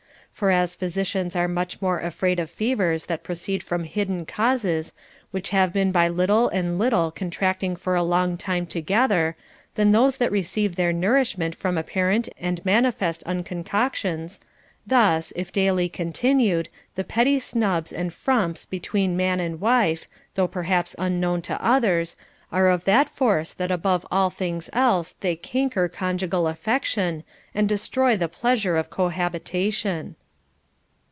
For as physicians are much more afraid of fevers that proceed from hidden causes, which have been by little and little contracting for a long time together, than those that re ceive their nourishment from apparent and manifest uncon coctions ; thus, if daily continued, the petty snubs and frumps between man and wife, though perhaps unknown to others, are of that force that above all things else they canker conjugal affection, and destroy the pleasure of co habitation.